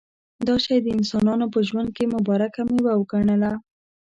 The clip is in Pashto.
دا شی د انسانانو په ژوند کې مبارکه مېوه وګڼله.